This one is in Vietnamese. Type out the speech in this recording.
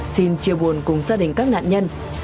xin chia buồn cùng gia đình các nạn nhân